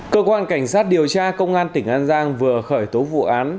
cơ quan cảnh sát điều tra công an tỉnh an giang vừa khởi tố vụ án